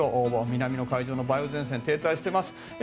南の海上の梅雨前線が停滞しています。